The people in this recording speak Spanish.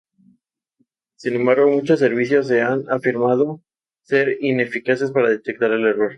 Sin embargo, muchos servicios se han afirmado ser ineficaces para detectar el error.